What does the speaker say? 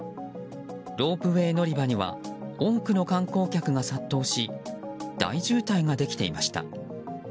ロープウェー乗り場には多くの観光客が殺到し大渋滞ができていました。